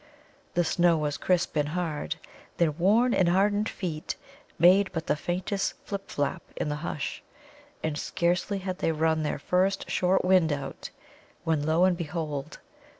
The snow was crisp and hard; their worn and hardened feet made but the faintest flip flap in the hush. And scarcely had they run their first short wind out, when lo and behold!